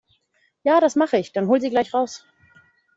Ja, das mache ich. Dann hol sie gleich raus.